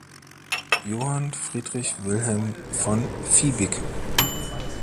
Johann Friedrich Wilhelm von Fiebig